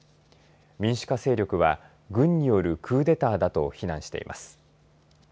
民主化勢力は軍によるクーデターだと非難しています。